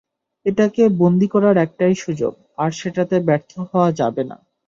এটাকে বন্দী করার একটাই সুযোগ, আর সেটাতে ব্যর্থ হওয়া যাবে না।